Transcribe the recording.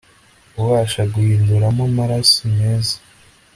ubasha guhinduramo amaraso meza